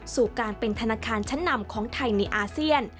สู่การเป็นธนาคารชั้นนำของไทยในอาเซียน